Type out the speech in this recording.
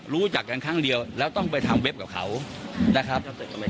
รู้จักกันครั้งเดียวแล้วต้องไปทำเว็บกับเขานะครับ